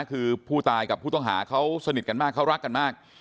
คือผู้ตายกับผู้ต้องหาเขาสนิทกันมากเขารักกันมาก